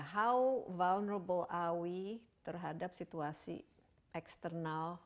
how vulnerable are we terhadap situasi eksternal